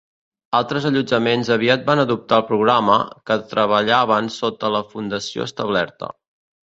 Altres allotjaments aviat van adoptar el programa, que treballaven sota la fundació establerta.